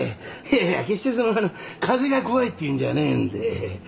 いやいや決してそのあの風が怖いっていうんじゃねえんで。